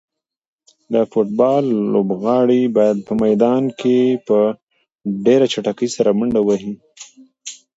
د فوټبال لوبغاړي باید په میدان کې په ډېره چټکۍ سره منډې ووهي.